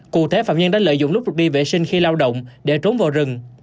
cụ thể phạm nhân đã lợi dụng lúc đi vệ sinh khi lao động để trốn vào rừng